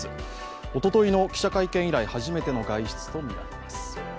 おとといの記者会見以来初めての外出とみられます。